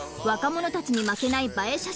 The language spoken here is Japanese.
若者たちに負けない映え